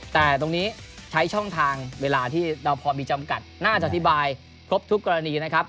แต่ตรงนี้ใช้ช่องทางเวลาที่เราพอมีจำกัดน่าจะอธิบายครบทุกกรณีนะครับ